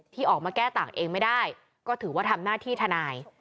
ที่ออกมาแก้ต่างเองไม่ได้ก็ถือว่าทำหน้าที่ทนาย